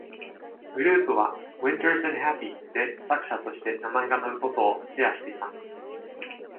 グループは、「Winters and Happy」で作者として名前が載ることをシェアしています。